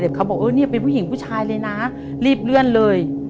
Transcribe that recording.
เขาบอกเออเนี่ยเป็นผู้หญิงผู้ชายเลยนะรีบเลื่อนเลย